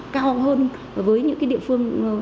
cao hơn với những địa phương